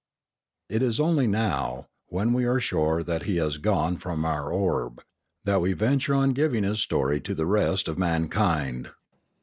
It is only now, when we are sure that he has gone from our orb, that we venture on giving his story to the rest of mankind.